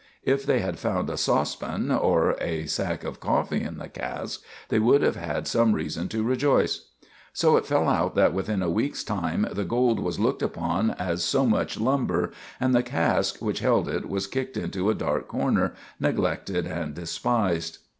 If they had found a saucepan or a sack of coffee in the cask, they would have had some reason to rejoice. So it fell out that within a week's time the gold was looked upon as so much lumber, and the cask which held it was kicked into a dark corner, neglected and despised.